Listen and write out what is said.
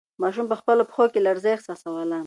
ماشوم په خپلو پښو کې لړزه احساسوله.